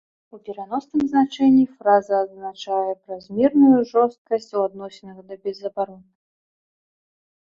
У пераносным значэнні фраза азначае празмерную жорсткасць у адносінах да безабаронных.